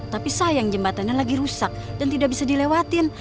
tapi sayang jembatannya lagi rusak dan tidak bisa dilewatin